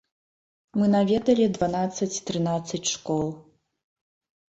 Мы наведалі дванаццаць-трынаццаць школ.